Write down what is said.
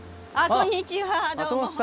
こんにちは。